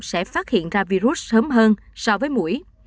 sẽ phát hiện ra virus sớm hơn so với mũi